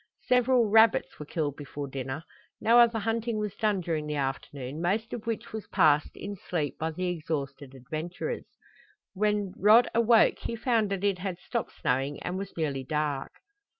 Several rabbits were killed before dinner. No other hunting was done during the afternoon, most of which was passed in sleep by the exhausted adventurers. When Rod awoke he found that it had stopped snowing and was nearly dark.